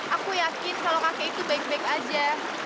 aku yakin kalau kakek itu baik baik aja